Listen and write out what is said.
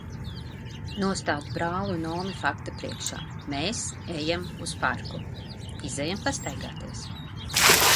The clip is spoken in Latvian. Nostādu brāli un omi fakta priekšā: "Mēs ejam uz parku!" Izejam pastaigāties.